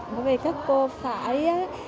bởi vì các cô phải